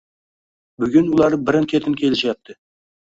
Bugun ular birin-ketin kelishyapti